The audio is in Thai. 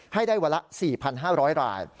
ให้ได้วันละ๔๕๐๐ราย